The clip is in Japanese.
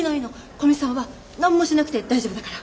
古見さんは何もしなくて大丈夫だから。